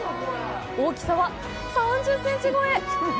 大きさは３０センチ超え！